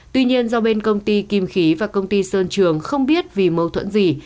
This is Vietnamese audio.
tuy nhiên do bên công ty kim khí và công ty sơn trường không biết vì mâu thuẫn gì